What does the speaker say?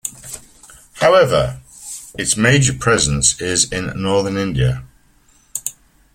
However, its major presence is in Northern India.